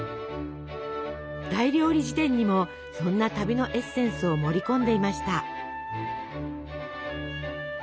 「大料理事典」にもそんな旅のエッセンスを盛り込んでいました。